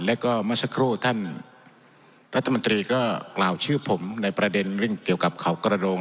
แล้วก็เมื่อสักครู่ท่านรัฐมนตรีก็กล่าวชื่อผมในประเด็นเรื่องเกี่ยวกับเขากระโดง